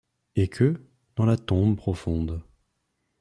Et que, dans la tombe profonde